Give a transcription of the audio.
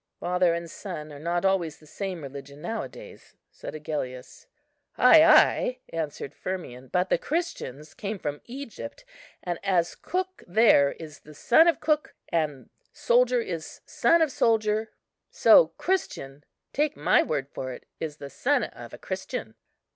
"Father and son are not always the same religion now a days," said Agellius. "Ay, ay," answered Firmian, "but the Christians came from Egypt: and as cook there is the son of cook, and soldier is son of soldier, so Christian, take my word for it, is the son of a Christian."